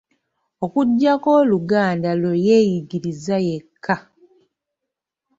Okuggyako Oluganda lwe yeeyigiriza yekka.